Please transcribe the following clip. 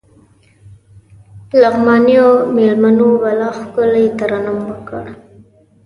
لغمانيو مېلمنو بلا ښکلی ترنم وکړ.